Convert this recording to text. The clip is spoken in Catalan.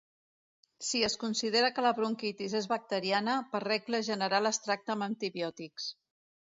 Si es considera que la bronquitis és bacteriana, per regla general es tracta amb antibiòtics.